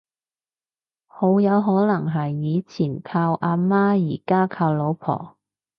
好有可能係以前靠阿媽而家靠老婆